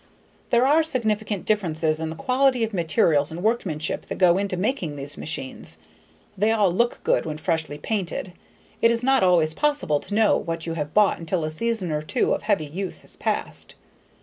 There are significant differences in the quality of materials and workmanship that go into making these machines. They all look good when freshly painted; it is not always possible to know what you have bought until a season or two of heavy use has passed.